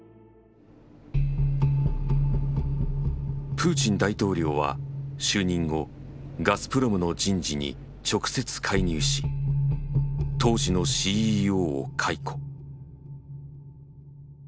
プーチン大統領は就任後ガスプロムの人事に直接介入し当時のＣＥＯを解雇。